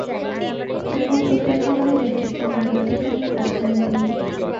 বেগম সুফিয়া কামালের নেতৃত্বে নারী অধিকার নিয়ে কাজ করেন তিনি।